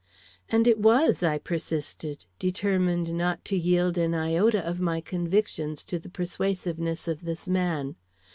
"And it was!" I persisted, determined not to yield an iota of my convictions to the persuasiveness of this man.